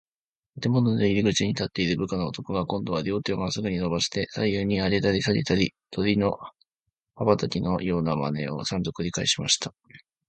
建物の入口に立っている部下の男が、こんどは両手をまっすぐにのばして、左右にあげたりさげたり、鳥の羽ばたきのようなまねを、三度くりかえしました。